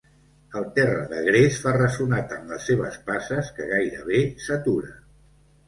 El terra de gres fa ressonar tant les seves passes que gairebé s'atura.